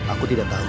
aku tidak tahu